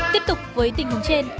tiếp tục với tình hình trên